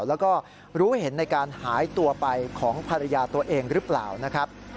แล้วก็รู้เห็นในการหายตัวไปของภรรยาตัวเองหรือเปล่านะครับ